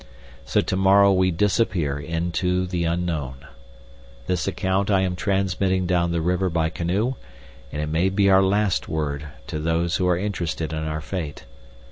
So to morrow we disappear into the unknown. This account I am transmitting down the river by canoe, and it may be our last word to those who are interested in our fate.